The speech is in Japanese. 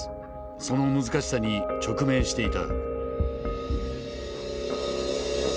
その難しさに直面していた。